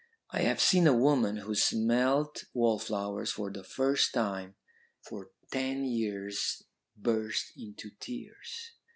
I have seen a woman who smelt wallflowers for the first time for ten years burst into tears.